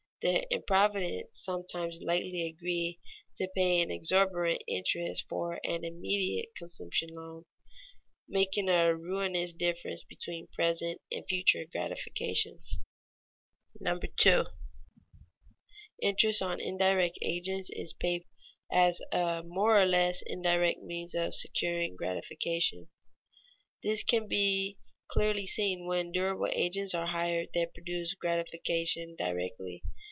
The improvident sometimes lightly agree to pay an exorbitant interest for an immediate consumption loan, making a ruinous difference between present and future gratifications. [Sidenote: Money borrowed to buy indirect agents] 2. Interest on indirect agents is paid as a more or less indirect means of securing gratification. This can be clearly seen when durable agents are hired that produce gratification directly.